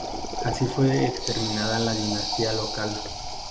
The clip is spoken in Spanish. Así fue exterminada la dinastía local.